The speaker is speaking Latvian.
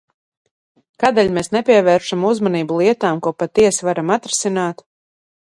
Kādēļ mēs nepievēršam uzmanību lietām, ko patiesi varam atrisināt?